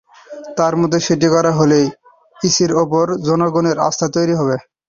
তাঁর মতে, সেটি করা হলে ইসির ওপর জনগণের আস্থা তৈরি হবে।